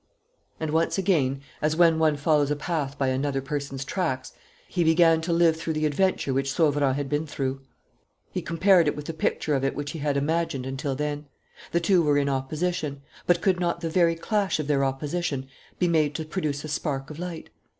And, once again, as when one follows a path by another person's tracks, he began to live through the adventure which Sauverand had been through. He compared it with the picture of it which he had imagined until then. The two were in opposition; but could not the very clash of their opposition be made to produce a spark of light?